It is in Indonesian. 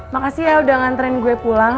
makasih ya udah ngantren gue pulang